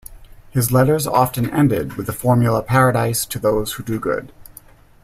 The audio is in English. His letters often ended with the formula "Paradise to those who do good".